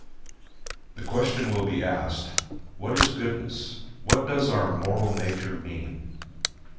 The question will be asked, What is goodness; what does our moral nature mean?